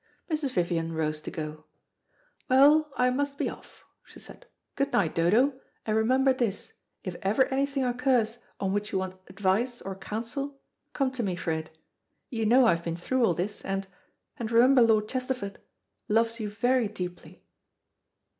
Mrs. Vivian rose to go. "Well, I must be off," she said. "Good night, Dodo; and remember this, if ever anything occurs on which you want advice or counsel, come to me for it. You know I have been through all this; and and remember Lord Chesterford loves you very deeply."